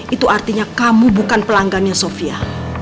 itu artinya kamu bukan pelanggannya sofia